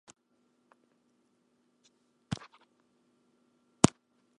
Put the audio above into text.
She swims with the Nunawading Swimming Club in Melbourne.